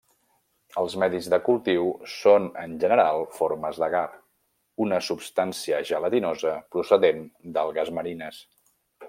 Els medis de cultiu són en general formes d'agar, una substància gelatinosa procedent d'algues marines.